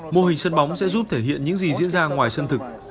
mô hình sân bóng sẽ giúp thể hiện những gì diễn ra ngoài sân thực